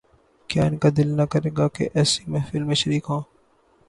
کیا ان کا دل نہ کرے گا کہ ایسی محفل میں شریک ہوں۔